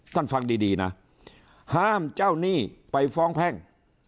ฟังดีดีนะห้ามเจ้าหนี้ไปฟ้องแพ่ง